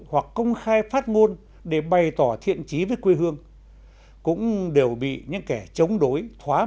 hoặc công khai phát ngôn để bày tỏ thiện trí